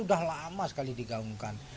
sudah lama sekali digaungkan